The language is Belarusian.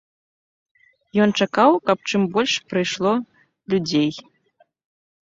Ён чакаў, каб чым больш прыйшло людзей.